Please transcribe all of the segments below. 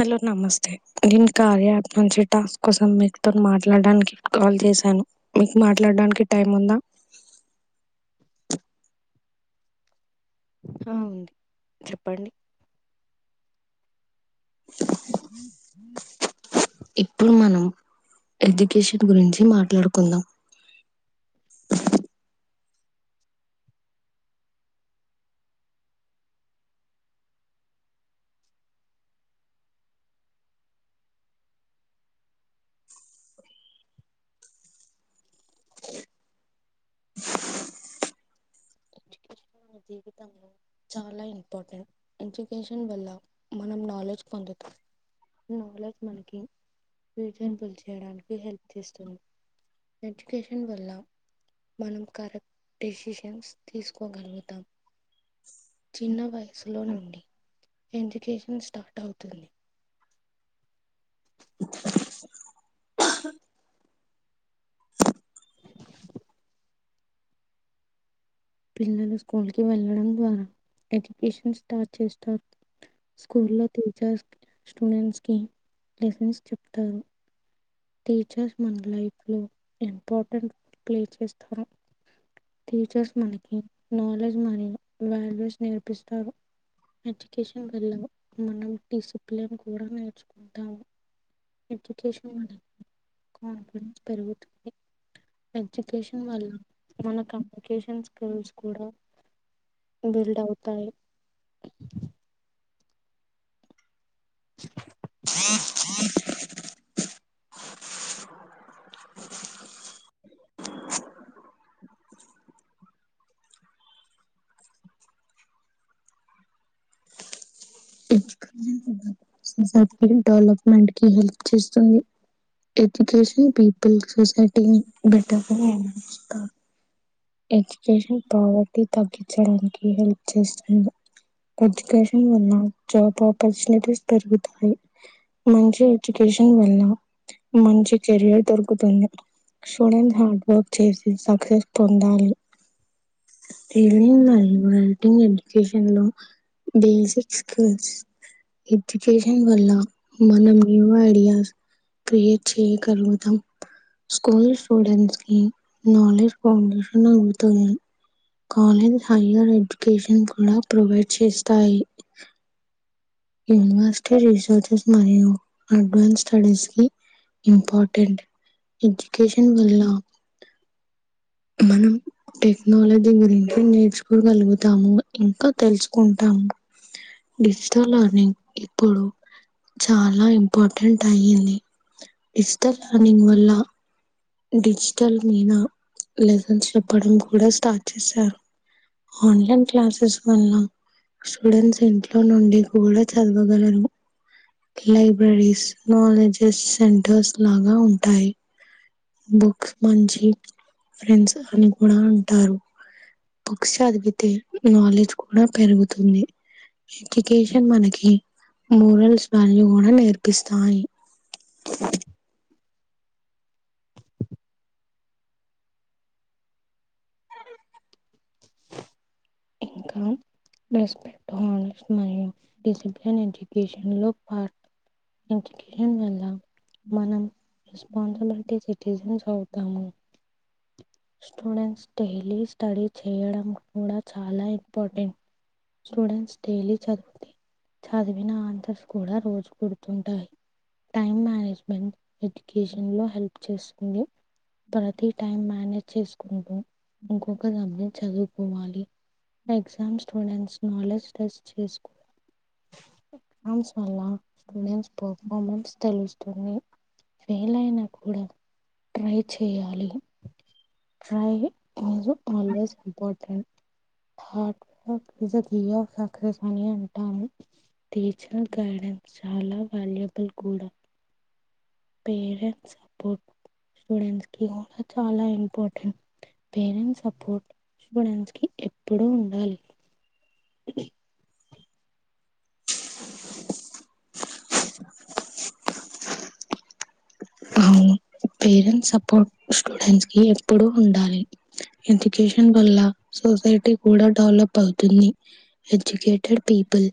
Hello నమస్తే నేను కార్యప్ నుంచి టస్ కోసం మీకుతో మాట్లాడడానికి కాల్ చేసాను మీకు మాట్లాడడానికి టైమ్ ఉందా అవుంది చెప్పండి ఇప్పుడు మనం ఎడ్యుకేషన్ గురించి మాట్లాడుకుందాం జీవితంలో చాలా ఇంపార్టెంట్ ఎడ్యుకేషన్ వల్ల మనం నాలెడ్జ్ పొందుతు నాలెడ్జ్ మనకి విజన్ బుల్ చేయడానికి హెల్ప్ చేస్తుంది ఎడ్యుకేషన్ వల్ల మనం కరెక్ట్ డిసిషన్స్ తీసుకోగలుగుతాం చిన్న వయసులో నుండి ఎడ్యుకేషన్ స్టార్ట్ అవుతుంది పిల్లలు స్కూల్ కి వెళ్ళడం ద్వారా ఎడ్యుకేషన్ స్టార్ట్ చేస్తారు స్కూలో టీచర్స్ స్టూడెంట్స్ కి లెసన్స్ చెప్తారు టీచర్స్ మన లైఫ్ లో ఇంపార్టెంట్ రోల్ ప్లే చేస్తారు టీచర్స్ మనకి నాలెడ్జ్ మరియు వాల్యూస్ నేర్పిస్తారు ఎడ్యుకేషన్ వల్ల మనం డిసిప్లిన్ కూడా నేర్చుకుంటాము ఎడ్యుకేషన్ కాన్ఫిడెన్స్ పెరుగుతుంది ఎడ్యుకేషన్ వల్ల మన కమ్యూనికేషన్ స్కిల్స్ కూడా బిల్డ్ అవుతయి శ డెవలప్మెంట్ కి హెల్ప్ చేస్తుంది ఎడ్యుకేషన్ పీపుల్ సొసైటీ బెటర్గ ఉంటారు ఎడ్యుకేషన్ ప్రావర్టీ తగ్గించడానికి హెల్ప్ చేస్తుంది. ఎడ్యుకేషన్ ఉన్నా జాబ్ ఆపర్చునిటీస్ పెరుగుతాయి మంచి ఎడ్యుకేషన్ వల్ల మంచి కెరియర్ దొరుకుతుంది స్టూడెంట్ హార్డ్ వర్క్ చేసి సక్సెస్ పొందాలి ఈవెనింగ్ అయినా టిన్ ఎడ్యుకషన్ లో బేసిక్ స్ల్స్ [unintelligible] ఎడ్యుకేషన్ వల్ల మనం న్యూ ఐడియాస్ క్రియేట్ చేయగలుగుదాం స్కూల్ స్టూడెంట్స్ కి నాలెడ్జ్ ఫౌండేషన్ అవుతాయి. కాలేజ్ హైయ్యర్ ఎడ్యుకేషన్ కూడా ప్రొవైడ్ చేస్తాయి. యూనివరిసిటీ రిసోర్సుసేస్ మరియు అడ్వాన్స్ స్టడీస్కి ఇంపార్టెంట్ ఎడ్యూకేషన్ వల్ల మనం టెక్నాలజీ గురించి నేర్చుకోగలుగుతాము ఇంకా తెలుసుకుంటాము. డిస్టాల ని ఇప్పుడు చాలా ఇంపార్టెంట్ అయ్యింది ఇష్టత్ రనింగ్ వల్ల డిజిటల్ మీద లెసన్స్ చెప్పడం కూడా స్టార్ట్ చేశారు. ఆన్లైన్ క్లాసెస్ వల్ల స్టూడెంట్స్ ఇంట్లో నుండి కూడా చదవగలరు లైబ్రరీస్ నాలెడ్జెస్ సెంటర్స్ లాగా ఉంటాయి బుక్స్ మంచి ఫ్రెండ్స్ అని కూడా అంటారు బుక్స్ చదివితే నాలెడ్జ్ కూడా పెరుగుతుంది ఎడ్యుకేషన్ మనకి మోరల్స్ వాల్యూ గూడా నేర్పిస్తాయి ఇంకా రెస్పెక్ట్ హానెస్ట్ మరియు డిసిప్లిన్ ఎడ్యుకేషన్ లో పార్ట్. ఎడ్యుకేషన్ వల్ల మనం responsibility since [unintelligible] ఆవుతాము students daily study చేయడం కూడా చాలా ఇంపార్టెంట్ స్టూడెంట్స్ డైలీ చదివితే చదివిన ఆన్సర్స్ కూడా రోజు గురుతుంటాయి టైమ్ మ్యనేజ్మెంట్ ఎడ్యుకేషన్ లో హెల్ప్ చేస్తుంది ప్రతి టైమ్ మ్యనేజ్ చేసుకుంటూ ఇంకొక సబ్జక్ట్స్ చదువుకోవాలి. ఎగ్జామ్ స్టూడెంట్స్ నాలెడ్జ్ టెస్ట్ చేసుకో ఎగ్జామ్స్ వల్ల స్టూడెంట్స్ పర్ఫార్మెన్స్ తెలుస్తుంది. ఫెయిల్ అయినా కూడా ట్రై చేయాలి ట్రై ఆసు ఆల్వేస్ ఇంపార్టెంట్ [inaudible] హా [unintelligible] అని అంటాను టీచర్ గైడెన్స్ చాలా వాల్యబుల్ కూడా పేరెంట్స్ సపోర్ట్ స్టూడెంట్స్ కి కూడా చాలా ఇంపార్టెంట్. పేరెంట్స్ సపోర్ట్ స్టూడెంట్స్ కి ఎప్పుడూ ఉండాలి. [inaudible] పేరెంట్స్ సపోర్ట్ స్టూడెంట్స్ కి ఎప్పుడు ఉండాలి, ఎడ్యుకేషన్ వల్ల సొసైటీ కూడా డవలప్ అవ్ అవుతుంది ఎడ్యుకేటెడ్ పీపుల్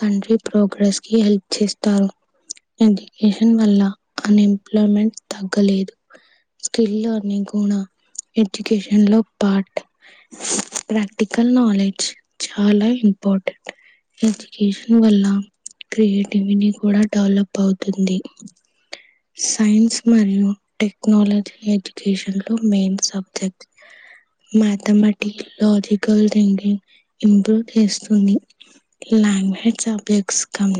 కంట్రీ ప్రోగ్రెస్ కి హెల్ప్ చేస్తారు, ఎడ్యుకేషన్ వల్ల అన్ ఎంప్లాయ్మెంట్ తగ్గలేదు స్కిల్ అనే గుణ ఎడ్యుకేషన్ లో పార్ట్ ప్రాక్టికల్ నాలెడ్జ్ చాలా ఇంపార్టెంట్ ఎడ్యుకేషన్ వల్ల క్రియేటివిటీ కూడా డెవలప్ అవుతుంది సైన్స్ మరి టెక్నాలజీ ఎడ్యుకేషన్ లో main subject mathematic logical thinking improve చేస్తుంది లాంగ్వేజ్ అపయ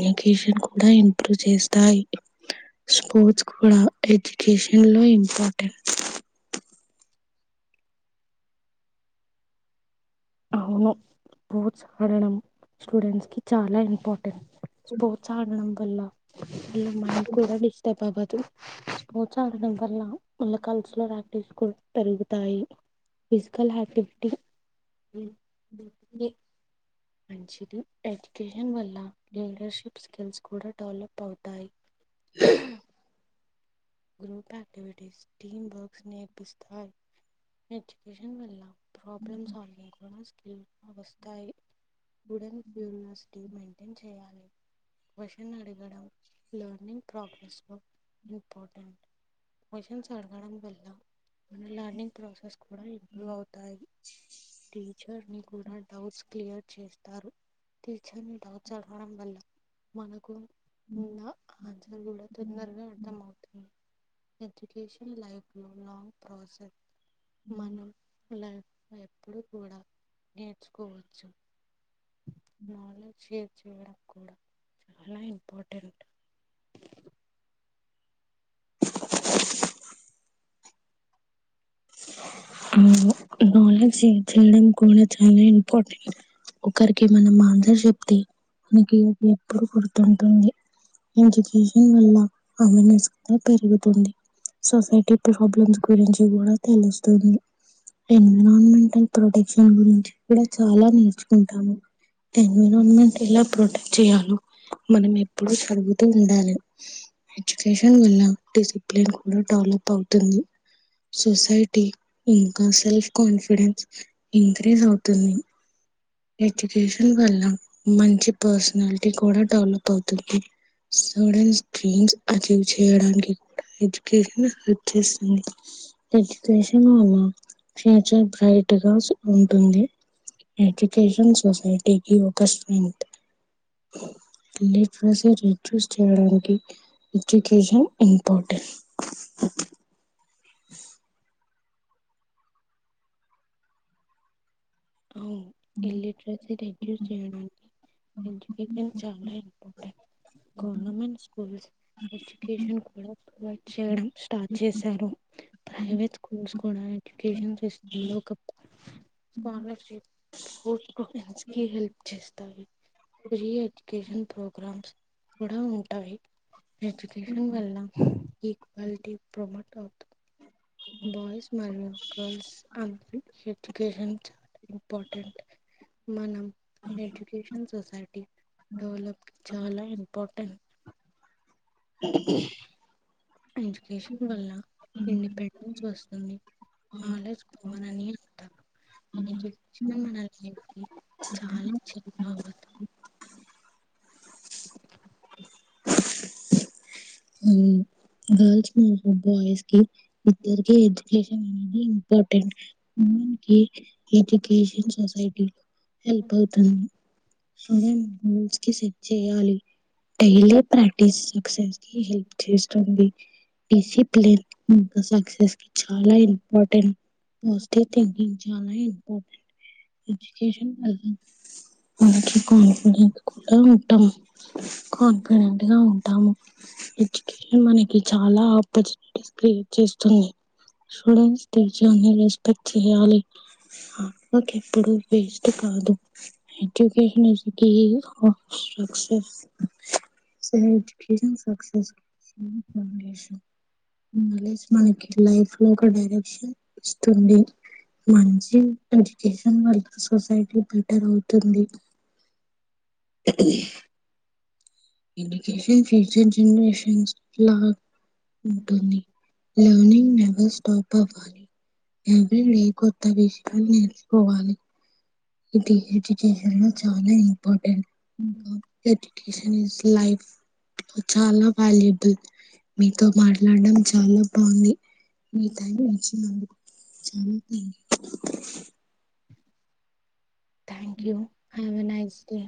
ఎడ్యుకేషన్ కూడా ఇంప్రూవ్ చేస్తాయి స్పోర్ట్స్ కూడా కేషన్లో ఇంపార్టెంట్ అవును స్పోర్ట్స్ ఆడడం స్టూడెంట్స్ కి చాలా ఇంపార్టెంట్ స్పోర్ట్స్ ఆడడంల్ ఎ మైండ్ కూడా డిస్టర్బ్ స్పోర్ట్స్ ఆడడం వల్ల మళ కల్చలర్క్టిస్ కూడా పెరుగుతాయి ఫిజికల్ ఆక్టివిటీ మంచిది ఎడ్యుకేషన్ వల్ల లీడర్షిప్ స్కిల్స్ కూడా డెవలప్ అవుతాయి ప్రాబ్లమ్ సాల్వింగ్ కూడా స్కిన్ లో వస్తాయి వుడెన్ క్యూరియాసిటీ మెయింటైన్ చేయాలి క్వషన్ అడగడం లర్నింగ్ ప్రోగ్రెస్ లో ఇంపార్టెంట్ క్యూషన్స్ అడగడం వల్ల మన లర్నింగ్ ప్రాసెస్ కూడా ఇంప్రూవ్ అవుతాయి చర్ ని కూడా డౌట్స్ క్లియర్ చేస్తారు టీచర్ ని డౌట్స్ అడగడం వల్ల మనకు ఉన్న ఆన్సర్ కూడా తెలివి అర్థం అవుతుంది ఎడ్యుకేషన్ లైఫ్ లో లాంగ్ ప్రాసెస్ మనం లైఫ్ లో ఎప్పుడు కూడా నేర్చుకోవచ్చు నాలెడ్జ్ షేర్ చేయడం కూడా చాలా ఇంపార్టెంట్ న చేయడం కూడా చాలా ఇంపార్టెంట్ ఒకరికి మనం మాన్సర్ చెప్తే అకి ఇ ఎప్పుడు కొర్తుంటుంది ఎడ్యుకేషన్ వల్ల అస్ పెరుగుతుంది సొసైటీ ప్రాబ్లమ్స్ గురించి కూడా తెలుస్తుంది ఎన్విరాన్మెంటల్ ప్రొటెక్షన్ గురించి కూడా చాలా నేర్చుకుంటాము ఎన్విరాన్మెంట్ ఎలా ప్రొటెక్ట్ చేయాలో మనం ఎప్పుడు చదువుతూ ఉండాలి ఎడ్యుకేషన్ వల్ల డిసిప్లిన్ కూడా డెవలప్ అవుతుంది సొసైటీ ఇంకా సెల్ఫ్ కాన్ఫిడెన్స్ ఇంక్రీజ్ అవుతుంది ఎడ్యుకేషన్ వల్ల మంచి పర్సనాలిటీ కూడా డెవలప్ అవుతుంది స్టూడెంట్స్ డ్రీమ్స్ అచివే చేయడానికి చెయడానికి ఎడ్యుకేషన్ వచ్చేస్తుంది ఎడ్యుకేషన్ అ ఫ్యూచర్ బ్రైట్ గా ఉంటుంది అ ష సొసైటీకి కస్తు రిడ్యూస్ చేయడానికి education important illiteracy reduce education చాలా ఇంపటెట్ గవర్నమెంట్ స్కూల్స్ ఎడ్యుకేషన్ కూడా ప్రొవైడ్ చేయడం స్టార్ట్ చేశారు ప్రైవేట్ స్కూల్స్ కూడా ఎజుకేషన్ సిస్టంలో స్కాలర్ షిప్ కి హెల్ప్ చేస్తా ఫ్రీ ఎడ్యుకేషన్ ప్రోగ్రామ్స్ కూడా ఉంటాయి ఎడ్యుకేషన్ వల్ల ఈక్వాలిటీ ప్రమోట్ అవుతుంది బోయిస్ మరియు గర్ల్స్ [unintelligible] ఎడ్యుకేషన్ చాలా ఇంపార్టెంట్ మనం ఎడ్యుకేషన్ సొసైటీ డెవలప్ చాలా ఇంపార్టెంట్ అ ఎడ్యుకేషన్ వల్ల ఇండిపెండెన్స్ వస్తుంది నాలెడ్జ్ పవర్ అని అంటారు ఇ విషయం మన లైఫ్కి చాల [inaudible] గర్ల్స్ మరియు బోయిస్కి ఇద్దరికి ఎడ్యుకేషన్ ఇంపార్టెంట్న్ ఎడ్యుకేషన్ సొసైటీలో హెల్ప్ అవుతుంది స [unintelligible] చేయాలి డైలీ ప్రాక్టీస్ సక్సెస్ కు హెల్ప్ చేస్తుంది డిసిప్లిన్ సక్సెస్ కి చాలా ఇంపార్టెంట్ పాజిటివ్ థింకింగ్ చాలా ఇంపార్టెంట్ ఎడ్యుకేషన్ [unintelligible] మనకి కాన్ఫిడెంట్ కూడా ఉంటాము కాన్ఫిడెంట్ గా ఉంటాము మనకి చాలా ఆపర్చునిటీస్ క్రియేట్ చేస్తుంది స్టూడెంట్స్ టీచర్ ని రెస్పెక్ చేయాలి ఆత్మకి ఎప్పుడు వేస్ట్ కాదు ఎడ్యుకేషన్ ఈ సక్సస్ స ఎడ్యుకేషన్ సక్సెస్ నాలెడ్జ్ మనకి లైఫ్ లో ఒక డైరెక్షన్ ఇస్తుంది మంచి ఎడ్యుకేషన్ వల్ల సొసైటీ బెటర్ అవుతుంది [unintelligible] ఎడ్యుకేషన్ ఫ్యూచర్ జనరషన్స్ ఉంటుంది లెర్నింగ్ నెవర్ స్టాప్ అవ్వాలి ఎవరైనా కొత్త విషయాన్ని నేర్చుకోవాలి ఇది ఎడ్యుకేషన్ లో చాలా ఇంపార్టెంట్ ఇంకా ఎడ్యుకేషన్ ఇస్ లైఫ్ చాలా వాల్యుబుల్ మీతో మాట్లాడడం చాలా బాగుంది మీ టైమ్ ఇచ్చినందుకు చాలా thanks thank you have a nice day